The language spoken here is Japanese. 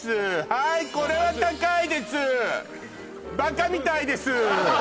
はいこれは高いですバカみたいです